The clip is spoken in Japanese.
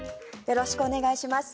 よろしくお願いします。